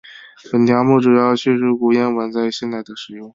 本条目主要叙述古谚文在现代的使用。